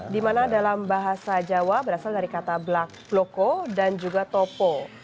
di mana dalam bahasa jawa berasal dari kata bloko dan juga topo